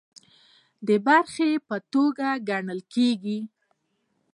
د برخې په توګه ګڼل کیږي